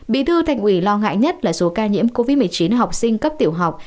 bí thư thành ủy lo ngại nhất là số ca nhiễm covid một mươi chín học sinh cấp tiểu học